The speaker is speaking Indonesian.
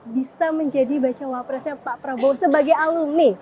bisa menjadi baca wapresnya pak prabowo sebagai aluni